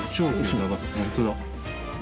本当だ。